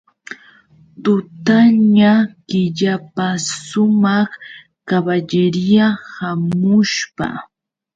Tutaña killapasumaq kaballerya hamushpa.